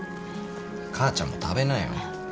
母ちゃんも食べなよ。